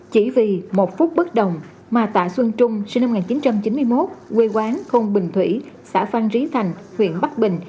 chỉ vì một phút bất đồng mà tạ xuân trung sinh năm một nghìn chín trăm chín mươi một quê quán không bình thủy xã phan rí thành huyện bắc bình